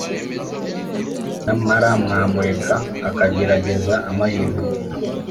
Nyamara mwamureka akagerageza amahirwe